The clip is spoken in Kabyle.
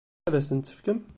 Ad asent-tt-tefkem?